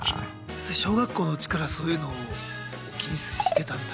それ小学校のうちからそういうのを気にしてたんだ？